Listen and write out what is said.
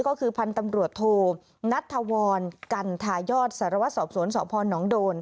ก็คือพันธุ์ตำรวจโทนัทธวรกันทายอดสารวัตรสอบสวนสพนโดน